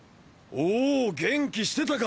おお元気してたか？